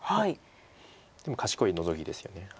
賢いノゾキですよね。